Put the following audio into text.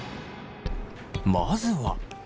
まずは。